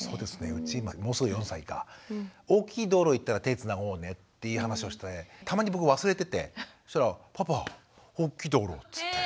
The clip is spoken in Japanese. うちもうすぐ４歳か「大きい道路行ったら手つなごうね」っていう話をしてたまに僕忘れててそしたら「パパおっきい道路」っつって。